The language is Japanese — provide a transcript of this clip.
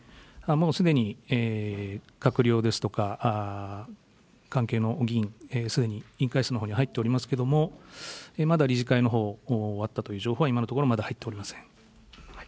もうすでに閣僚ですとか、関係の議員、すでに委員会室のほうに入っておりますけれども、まだ理事会のほう、終わったという情報は今のところまだ入っておりません。